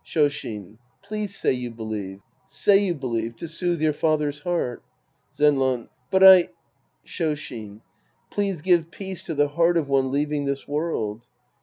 Shoshin. Please say you believe. Say you believe. To soothe your father's heart. Zenran. But I — Shoshin. Please give peace to the heart of one leaving this world.